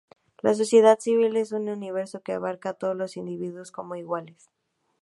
La sociedad civil es un universo que abarca a todos los individuos como iguales.